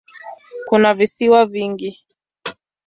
Kuna visiwa vingi.